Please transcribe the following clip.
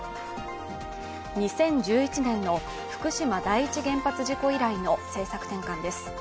２０１１年の福島第一原発事故以来の政策転換です。